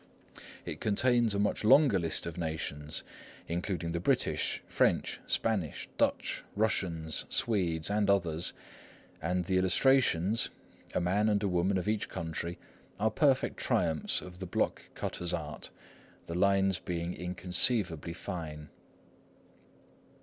It contains a much longer list of nations, including the British, French, Spanish, Dutch, Russians, Swedes, and others, and the illustrations—a man and woman of each country—are perfect triumphs of the block cutter's art, the lines being inconceivably fine.